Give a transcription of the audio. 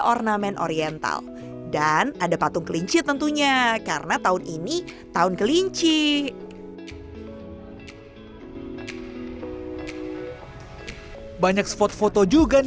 ornamen oriental dan ada patung kelinci tentunya karena tahun ini tahun kelinci banyak spot foto juga nih